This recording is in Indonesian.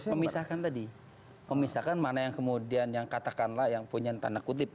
memisahkan tadi memisahkan mana yang kemudian yang katakanlah yang punya tanda kutip